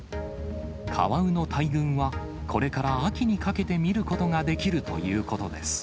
カワウの大群は、これから秋にかけて見ることができるということです。